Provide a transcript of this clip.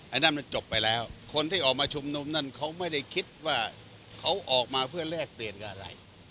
อันนั้นมันจบไปแล้วคนที่ออกมาชุมนุมนั่นเขาไม่ได้คิดว่าเขาออกมาเพื่อแลกเปลี่ยนกับอะไร